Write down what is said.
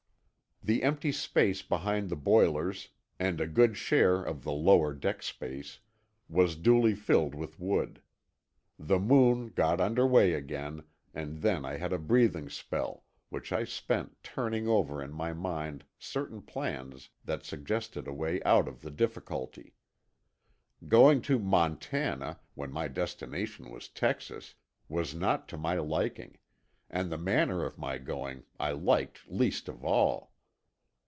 The empty space behind the boilers, and a good share of the lower deck space was duly filled with wood; the Moon got under way again, and then I had a breathing spell, which I spent turning over in my mind certain plans that suggested a way out of the difficulty. Going to Montana, when my destination was Texas, was not to my liking, and the manner of my going I liked least of all.